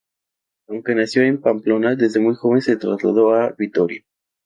Aunque nació en Pamplona, desde muy joven se trasladó a Vitoria.